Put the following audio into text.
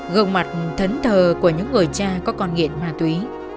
gương mặt thấn thờ của những người cha có con nghiện ma túy